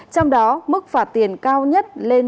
trong đó mức phạt tiền cao nhất lên